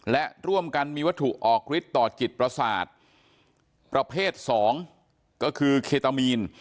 และร่วมกันมีวัตถุออกฤทธิ์ต่อจิตประสาทประเภท๒ก็คือเคตามีน